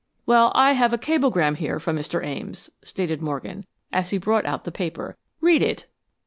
"Well, I have a cablegram here from Mr. Ames," stated Morgan, as he brought out the paper. "Read it."